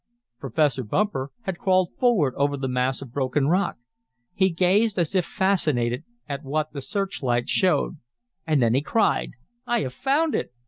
Professor Bumper had crawled forward over the mass of broken rock. He gazed as if fascinated at what the searchlight showed, and then he cried: "I have found it!